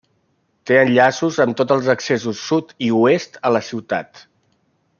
Té enllaços amb tots els accessos sud i oest a la ciutat.